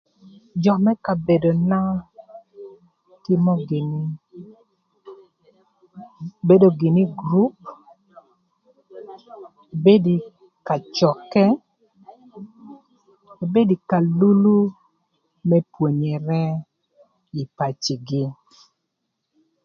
Jö më kabedona tïmö gïnï bedo gïnï ï gurup bedi ï kacökë ebedi ï kalulu më pwonyere ï pacigï.